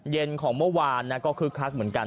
เย็นของเมื่อวานก็คึกคักเหมือนกัน